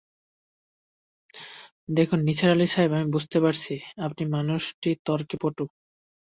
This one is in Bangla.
দেখুন নিসার আলি সাহেব, আমি বুঝতে পারছি আপনি মানুষটি তর্কে পটু।